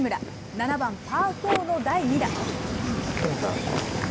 ７番パーフォーの第２打。